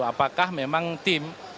apakah memang tim